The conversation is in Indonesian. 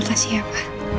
terima kasih ya papa